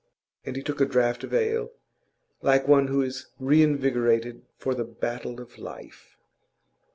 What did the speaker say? And he took a draught of ale, like one who is reinvigorated for the battle of life.